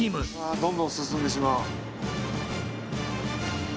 どんどん進んでしまう。